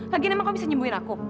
lagian emang kau bisa nyembuhin aku